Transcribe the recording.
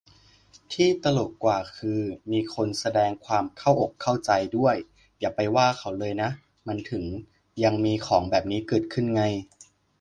ที่ตลกกว่าคือ มีคนแสดงความเข้าอกเข้าใจด้วย !"อย่าไปว่าเขาเลยนะ" มันถึงยังมีของแบบนี้เกิดขึ้นไง